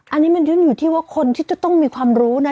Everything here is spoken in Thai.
อันนี้มันเรื่องอยู่ที่ว่าคนที่จะต้องมีความรู้นะ